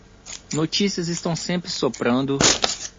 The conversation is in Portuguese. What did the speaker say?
Notícias estão sempre soprando